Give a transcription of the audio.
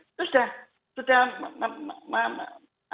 itu sudah sudah